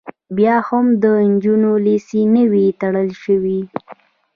بیا هم د نجونو لیسې نه وې تړل شوې